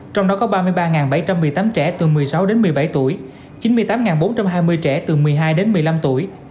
trong đó có ba mươi ba bảy trăm một mươi tám trẻ từ một mươi sáu đến một mươi bảy tuổi chín mươi tám bốn trăm hai mươi trẻ từ một mươi hai đến một mươi năm tuổi